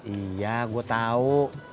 iya gue tahu